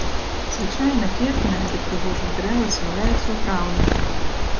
Звычайна, кветкі на гэтых прыгожых дрэвах з'яўляюцца ў траўні.